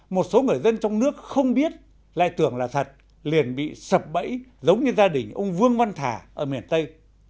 một số người dân trong nước không biết lại tưởng là thật liền bị sập bẫy giống như gia đình ông vương văn thả ở miền tây